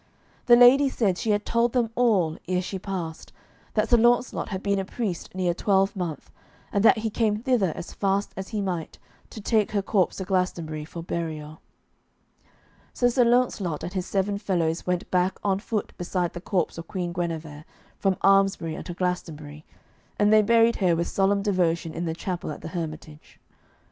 The ladies said she had told them all, ere she passed, that Sir Launcelot had been a priest near a twelvemonth, and that he came thither as fast as he might, to take her corpse to Glastonbury for burial. So Sir Launcelot and his seven fellows went back on foot beside the corpse of Queen Guenever from Almesbury unto Glastonbury, and they buried her with solemn devotion in the chapel at the hermitage.